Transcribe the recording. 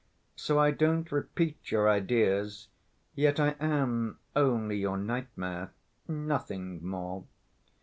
So I don't repeat your ideas, yet I am only your nightmare, nothing more."